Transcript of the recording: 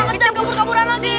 kita kabur kaburan lagi